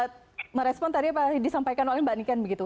teruskan tadi disampaikan oleh mbak niken begitu